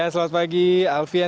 selamat pagi alvian